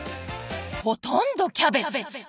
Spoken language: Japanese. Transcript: ほとんどキャベツ！